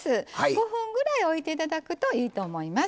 ５分ぐらいおいて頂くといいと思います。